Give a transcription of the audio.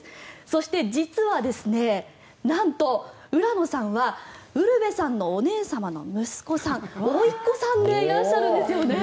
そして、実はなんと浦野さんはウルヴェさんのお姉さまの息子さんおいっこさんでいらっしゃるんですよね。